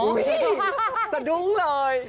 อุ๊ยจะดุ้งเลย